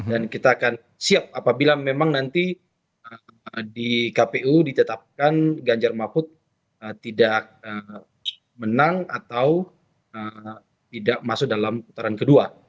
kita akan siap apabila memang nanti di kpu ditetapkan ganjar mahfud tidak menang atau tidak masuk dalam putaran kedua